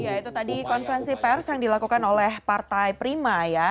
ya itu tadi konferensi pers yang dilakukan oleh partai prima ya